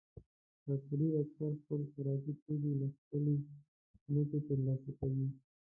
کاکړي اکثره خپل خوراکي توکي له خپلې ځمکې ترلاسه کوي.